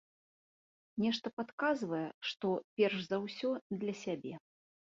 Нешта падказвае, што перш за ўсё для сябе.